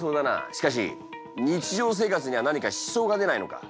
しかし日常生活には何か支障が出ないのか？